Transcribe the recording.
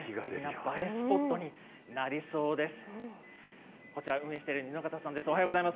映えスポットになりそうです。